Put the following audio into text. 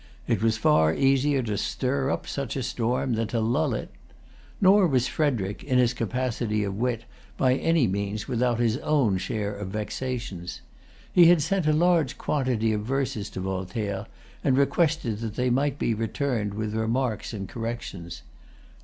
It was far easier to stir up such a storm than to lull it. Nor was Frederic, in his capacity of wit, by any means without his own share of vexations. He had sent a large quantity of verses to Voltaire, and requested that they might be returned with remarks and corrections.